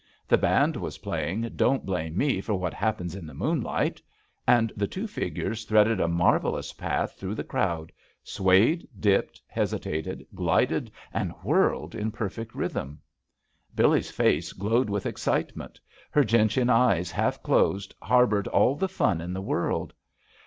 The band was playing "Don't Blame Me for What Happens in the Moonlight," and the two figures, threading a marvelous path through the crowd, swayed, dipped, hesitated, glided and whirled in perfect rhythm. Billee's face glowed with excitement, her gentian eyes half closed harbored all the fun in the world.